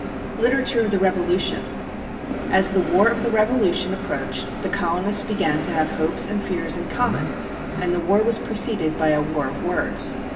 Martin] LITERATURE OF THE REVOLUTION As the War of the Revolution approached the colonists began to have hopes and fears in common, and the war was preceded by a war of words.